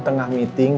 emang aku gak bisa bu